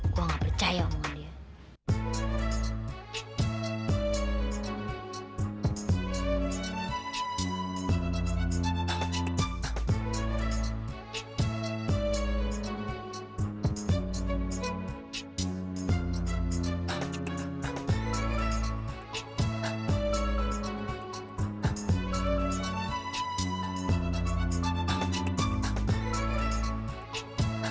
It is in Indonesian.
gue gak percaya omongan dia